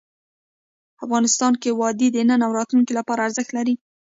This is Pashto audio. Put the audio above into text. افغانستان کې وادي د نن او راتلونکي لپاره ارزښت لري.